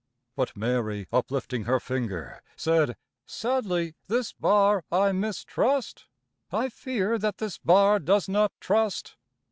But Mary, uplifting her finger, Said: "Sadly this bar I mistrust, I fear that this bar does not trust.